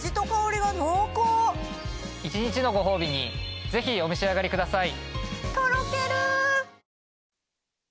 一日のご褒美にぜひお召し上がりください。